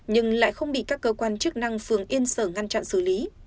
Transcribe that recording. nhưng lại không bị các cơ quan chức năng phường yên sở ngăn chặn xử lý